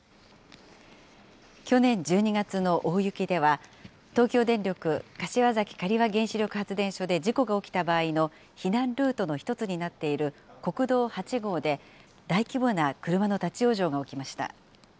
去年１２月の大雪では、東京電力柏崎刈羽原子力発電所で事故が起きた場合の避難ルートの１つになっている国道８号で、大規模な車の立往生が起きました。